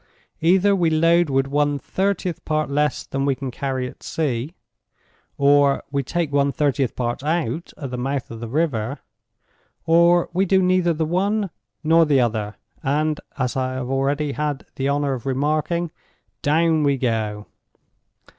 Either we load with one thirtieth part less than we can carry at sea; or we take one thirtieth part out at the mouth of the river; or we do neither the one nor the other, and, as I have already had the honor of remarking—down we go!